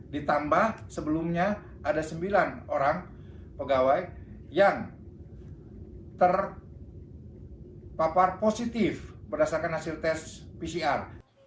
ditambah sebelumnya ada sembilan orang pegawai yang terpapar positif berdasarkan hasil tes pcr